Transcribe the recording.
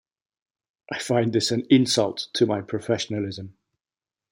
I find this an insult to my professionalism.